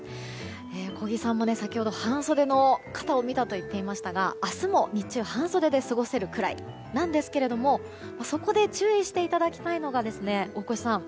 小木さんも先ほど半袖の方を見たと言っていましたが明日も日中、半袖で過ごせるくらいなんですけどもそこで注意していただきたいのが大越さん